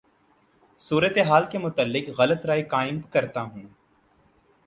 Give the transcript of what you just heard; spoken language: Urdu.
صورتحال کے متعلق غلط رائے قائم کرتا ہوں